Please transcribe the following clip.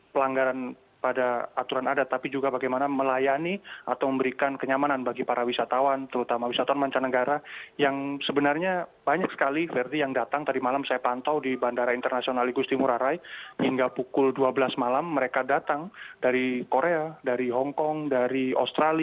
pelanggaran pada aturan adat tapi juga bagaimana melayani atau memberikan kenyamanan bagi para wisatawan terutama wisatawan mancanegara yang sebenarnya banyak sekali verdi yang datang tadi malam saya pantau di bandara internasional igusti ngurah rai hingga pukul dua belas malam mereka datang dari korea dari hongkong dari australia